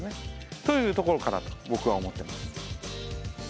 というところかなと僕は思ってます。